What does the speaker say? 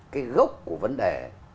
cái gốc của vấn đề